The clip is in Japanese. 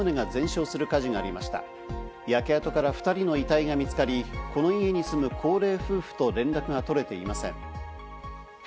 焼け跡から２人の遺体が見つかり、この家に住む高齢夫婦と連絡が取れていません。